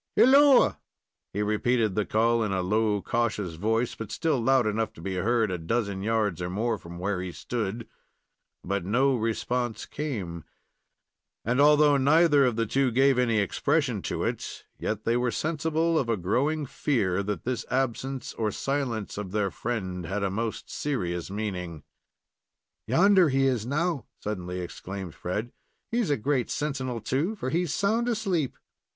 Hilloa!" He repeated the call in a low, cautious voice, but still loud enough to be heard a dozen yards or more from where he stood; but no response came, and, although neither of the two gave any expression to it, yet they were sensible of a growing fear that this absence or silence of their friend had a most serious meaning. "Yonder he is now," suddenly exclaimed Fred. "He's a great sentinel, too, for he's sound asleep."